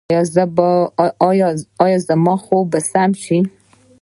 ایا زما خوب به سم شي؟